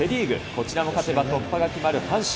こちらも勝てば突破が決まる阪神。